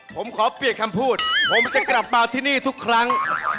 ผมขอเปลี่ยนคำพูดผมจะกลับมาที่นี่ทุกครั้ง